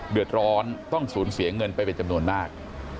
เดือดร้อนต้องสูญเสียเงินไปเป็นจำนวนมาก